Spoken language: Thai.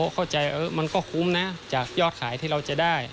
เข้าใจมันก็คุ้มนะจากยอดขายที่เราจะได้